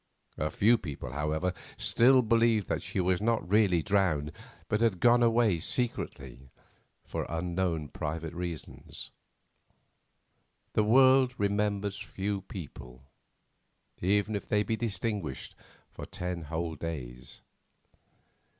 A few people, however, still believed that she was not really drowned but had gone away secretly for unknown private reasons. The world remembers few people, even if they be distinguished, for ten whole days.